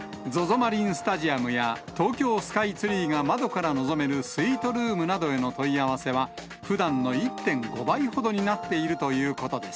マリンスタジアムや東京スカイツリーが窓から望めるスイートルームなどへの問い合わせは、ふだんの１．５倍ほどになっているということです。